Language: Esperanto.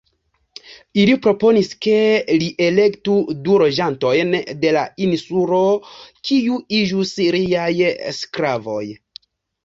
Ili proponis ke li elektu du loĝantojn de la insulo, kiu iĝus liaj sklavoj.